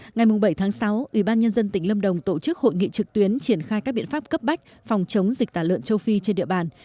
ngày bảy sáu ubnd tỉnh lâm đồng tổ chức hội nghị trực tuyến triển khai các biện pháp cấp bách phòng chống dịch tả lợn châu phi trên địa bàn